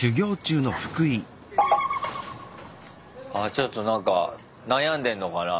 ちょっとなんか悩んでんのかな？